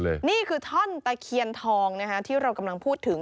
นี่คือท่อนตะเคียนทองนะฮะที่เรากำลังพูดถึง